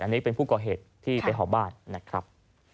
อันนี้เป็นผู้ก่อเหตุที่ไปห่อบ้านนะครับ